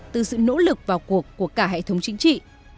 từ sự nỗ lực vào cuộc của cả hệ thống chính trị